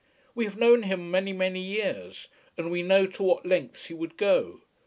We have known him many many years, and we know to what lengths he would go.